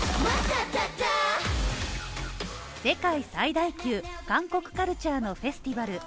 世界最大級、韓国カルチャーのフェスティバル